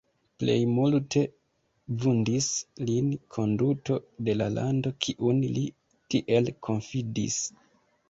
Plej multe vundis lin konduto de la lando, kiun li tiel konfidis.